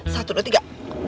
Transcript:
satu dua tiga